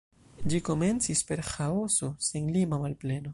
Ĝi komencis per Ĥaoso, senlima malpleno.